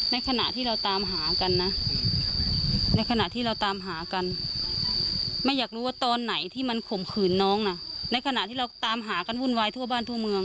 ขณะที่เราตามหากันนะในขณะที่เราตามหากันแม่อยากรู้ว่าตอนไหนที่มันข่มขืนน้องน่ะในขณะที่เราตามหากันวุ่นวายทั่วบ้านทั่วเมือง